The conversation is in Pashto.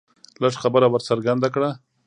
لږ خبره ور څرګنده کړه